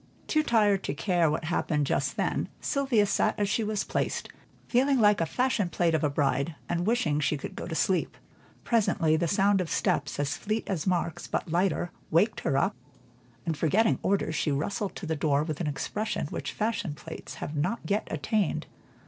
Too tired to care what happened just then, Sylvia sat as she was placed, feeling like a fashion plate of a bride, and wishing she could go to sleep. Presently the sound of steps as fleet as Mark's but lighter, waked her up, and forgetting orders, she rustled to the door with an expression which fashion plates have not yet attained.